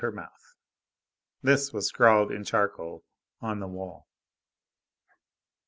48 This was scrawled in charcoal on the wall.